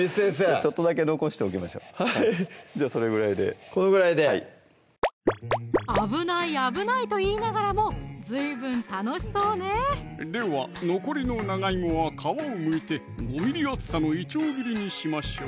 ちょっとだけ残しておきましょうじゃあそれぐらいでこのぐらいで「危ない危ない」と言いながらもずいぶん楽しそうねでは残りの長いもは皮をむいて５ｍｍ厚さのいちょう切りにしましょう